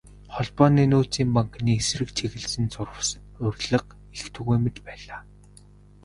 Холбооны нөөцийн банкны эсрэг чиглэсэн зурвас, уриалга их түгээмэл байлаа.